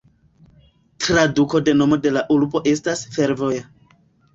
Traduko de nomo de la urbo estas "fervoja".